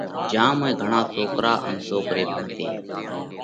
جيا موئين گھڻا سوڪرا ان سوڪري ڀڻتي۔